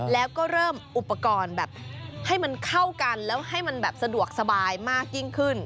แล้วก็เริ่มอุปกรณ์แบบให้มันเข้ากันแล้วให้มันแบบสะดวกสบายมากยิ่งขึ้น